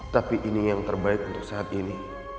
tapi ini yang terbaik untuk saat ini